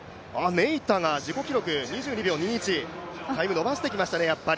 ネイタが自己記録、２２秒２１、タイムを伸ばしてきましたね。